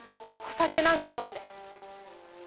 お酒なんか飲んで。